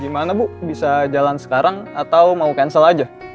gimana bu bisa jalan sekarang atau mau cancel aja